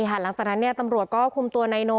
หลังจากนั้นตำรวจก็คุมตัวนายโน